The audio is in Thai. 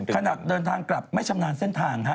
ขณะเดินทางกลับไม่ชำนาญเส้นทาง